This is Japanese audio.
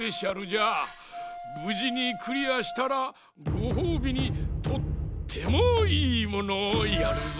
ぶじにクリアしたらごほうびにとってもいいものをやるぞ。